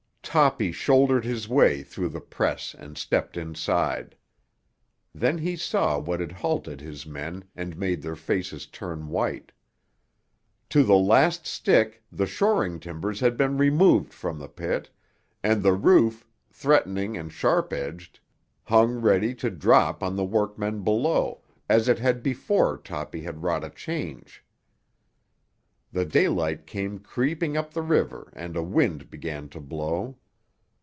Toppy shouldered his way through the press and stepped inside. Then he saw what had halted his men and made their faces turn white. To the last stick the shoring timbers had been removed from the pit, and the roof, threatening and sharp edged, hung ready to drop on the workmen below, as it had before Toppy had wrought a change. The daylight came creeping up the river and a wind began to blow.